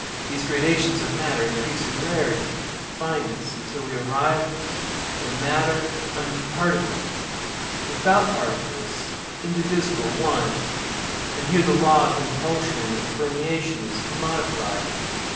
These gradations of matter increase in rarity or fineness, until we arrive at a matter unparticled—without particles—indivisible—one; and here the law of impulsion and permeation is modified.